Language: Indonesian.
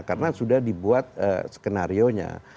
karena sudah dibuat skenario nya